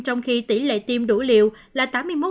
trong khi tỷ lệ tiêm đủ liệu là tám mươi một